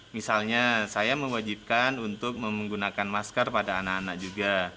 misalnya saya mewajibkan untuk menggunakan masker pada anak anak juga